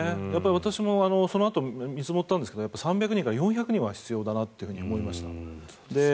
私もそのあと見積もったんですが３００人から４００人は必要だなと思いました。